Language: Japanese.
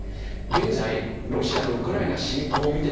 現在ロシアのウクライナ侵攻を見てですね